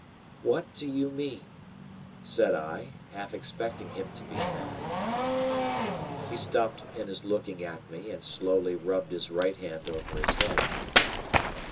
"What do you mean?" said I, half suspecting him to be mad. He stopped in his looking at me, and slowly rubbed his right hand over his head.